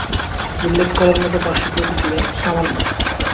উল্লেখ করার মত পার্শ্বপ্রতিক্রিয়া সামান্য।